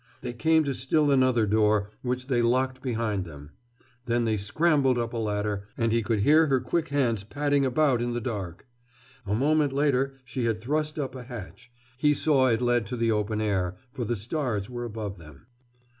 They came to still another door, which they locked behind them. Then they scrambled up a ladder, and he could hear her quick hands padding about in the dark. A moment later she had thrust up a hatch. He saw it led to the open air, for the stars were above them.